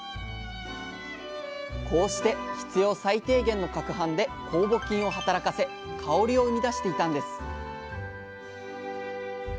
こうして必要最低限のかくはんで酵母菌を働かせ香りを生み出していたんです